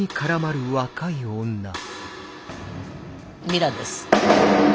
ミラです。